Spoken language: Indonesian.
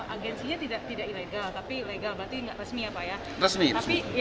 agensinya tidak ilegal tapi legal berarti nggak resmi ya pak ya